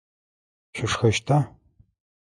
Шъущхэщта?